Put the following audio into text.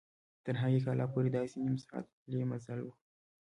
تر هغې کلا پورې داسې نیم ساعت پلي مزل و.